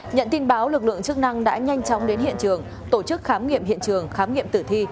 nhận tin báo lực lượng chức năng đã nhanh chóng đến hiện trường tổ chức khám nghiệm hiện trường khám nghiệm tử thi